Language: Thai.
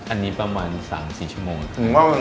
อันนี้ประมาณ๓๔ชมงษ์